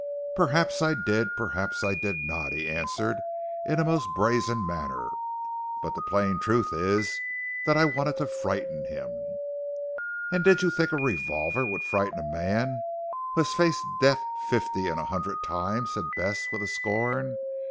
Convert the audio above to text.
"Perhaps I did, perhaps I did not," he answered in a most brazen manner, "but the plain truth is that I wanted to frighten him. "And did you think a revolver would frighten a man who had faced death fifty and a hundred times?" said Bess with scorn.